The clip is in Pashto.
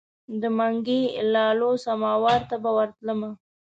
د منګي لالو سماوار ته به ورتللم.